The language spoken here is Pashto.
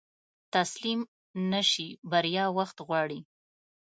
تسليم نشې، بريا وخت غواړي.